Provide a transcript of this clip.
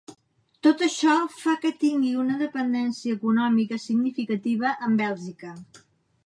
Tot això fa que tingui una dependència econòmica significativa amb Bèlgica.